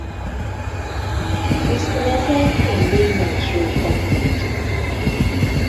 Tisztelete mindig nagy súlyt kapott.